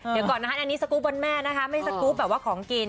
เดี๋ยวก่อนนะคะและนี้สกุ๊ปบนแม่นะคะไม่ได้สกุ๊ปแบบว่าของกิน